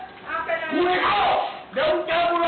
พูดให้เข้าเดี๋ยวพูดเจ้าตัวเราดิไอ้